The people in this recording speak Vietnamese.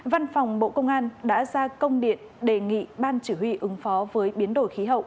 văn phòng bộ công an đã ra công điện đề nghị ban chỉ huy ứng phó với biến đổi khí hậu